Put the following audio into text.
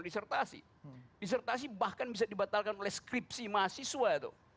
disertasi bahkan bisa dibatalkan oleh skripsi mahasiswa